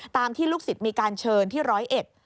ที่ลูกศิษย์มีการเชิญที่ร้อยเอ็ด